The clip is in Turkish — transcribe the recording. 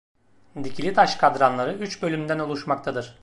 Dikilitaş kadranları üç bölümden oluşmaktadır.